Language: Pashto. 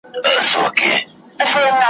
له خوشحاله بیا تر اوسه ارمانجن یو ,